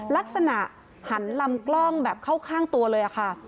ลักษณะหันลำกล้องแบบเข้าข้างตัวเลยค่ะ